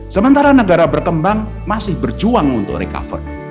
sementara negara berkembang masih berjuang untuk recover